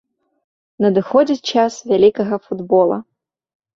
Надыходзіць час вялікага футбола!